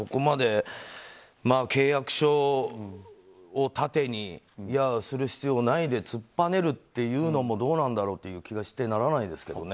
契約書をたてに、する必要ないで突っぱねるというのもどうなんだろうという気がしてならないですけどね。